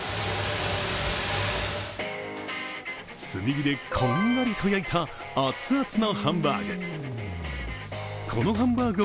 炭火でこんがりと焼いた熱々のハンバーグ。